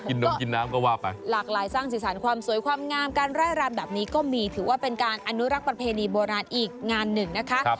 นมกินน้ำก็ว่าไปหลากหลายสร้างสีสันความสวยความงามการไล่รำแบบนี้ก็มีถือว่าเป็นการอนุรักษ์ประเพณีโบราณอีกงานหนึ่งนะคะ